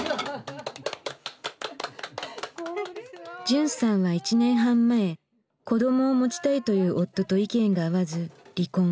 じゅんさんは１年半前子どもを持ちたいという夫と意見が合わず離婚。